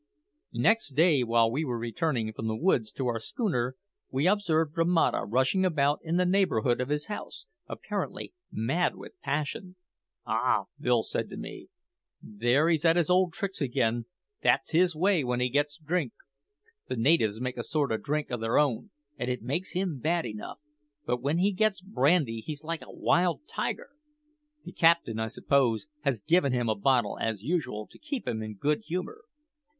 Next day, while we were returning from the woods to our schooner, we observed Romata rushing about in the neighbourhood of his house, apparently mad with passion. "Ah!" said Bill to me, "there he's at his old tricks again. That's his way when he gets drink. The natives make a sort of drink o' their own, and it makes him bad enough; but when he gets brandy he's like a wild tiger. The captain, I suppose, has given him a bottle, as usual, to keep him in good humour.